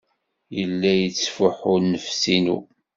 Yella yettfuḥu nnefs-inu.